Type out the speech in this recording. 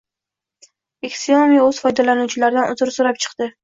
Xiaomi o‘z foydalanuvchilaridan uzr so‘rab chiqdi